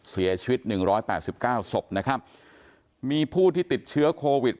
เสียชีวิต๑๘๙สบนะครับมีผู้ที่ติดเชื้อโควิด